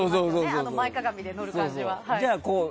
あの前かがみで乗る感じは。